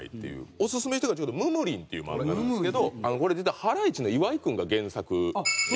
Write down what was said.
オススメしたいのが『ムムリン』っていう漫画なんですけどこれ実はハライチの岩井君が原作やってまして。